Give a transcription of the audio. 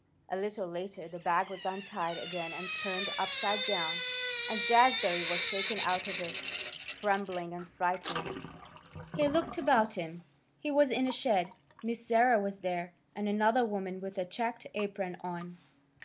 A little later the bag was untied again and turned upside down, and Jazbury was shaken out of it. Trembling and frightened, he looked about him. He was in a shed. Miss Sarah was there, and another woman with a checked apron on.